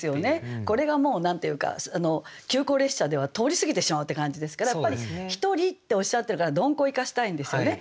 これがもう「急行列車」では通り過ぎてしまうって感じですからやっぱり「ひとり」っておっしゃってるから「鈍行」を生かしたいんですよね。